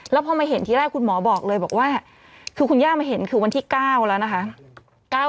แล้วพอมาเห็นทีแรกคุณหมอบอกเลยบอกว่าคือคุณย่ามาเห็นคือวันที่๙แล้วนะคะ